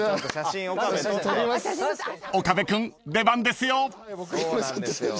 ［岡部君出番ですよ］